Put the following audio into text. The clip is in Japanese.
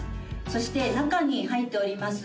そして中に入っております